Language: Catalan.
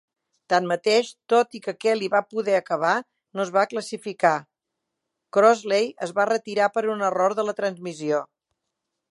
Tanmateix, tot i que Kelly va poder acabar, no es va classificar; Crossley es va retirar per un error de la transmissió.